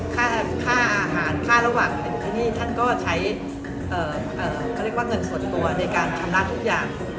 ค่าอาหารค่าระหวังที่นี่ท่านก็ใช้เงินส่วนตัวในการชำระทุกอย่าง